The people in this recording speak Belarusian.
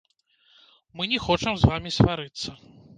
Мы не хочам з вамі сварыцца.